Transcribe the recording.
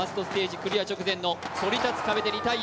クリア直前のそり立つ壁でリタイア。